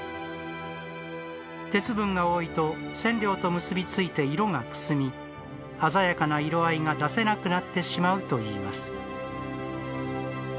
鉄分が多いと、染料と結び付いて色がくすみ、鮮やかな色合いが出せなくなってしまうといいます。